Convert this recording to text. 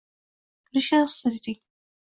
Kirishga ruxsat eting